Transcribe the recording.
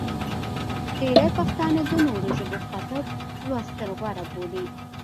ډېری پښتانه د نورو ژبو کتب لوستل غوره بولي.